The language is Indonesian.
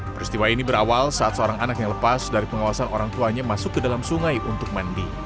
peristiwa ini berawal saat seorang anak yang lepas dari pengawasan orang tuanya masuk ke dalam sungai untuk mandi